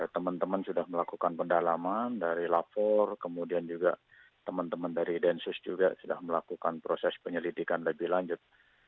teman teman sudah melakukan pendalaman dari lapor kemudian juga teman teman dari densus juga sudah melakukan proses penyelidikan lebih lanjut